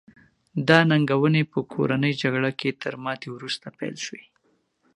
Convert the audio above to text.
دا ننګونې په کورنۍ جګړه کې تر ماتې وروسته پیل شوې.